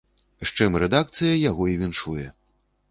З чым рэдакцыя яго і віншуе!